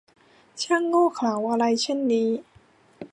ช่างโง่เขลาอะไรเช่นนี้ !